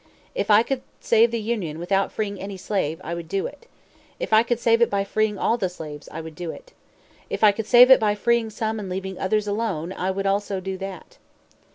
"If I could save the Union without freeing any slave, I would do it. If I could save it by freeing all the slaves, I would do it. If I could save it by freeing some and leaving others alone, I would also do that."